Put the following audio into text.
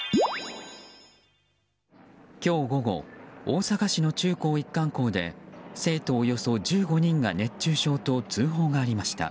今日午後大阪市の中高一貫校で生徒およそ１５人が熱中症と通報がありました。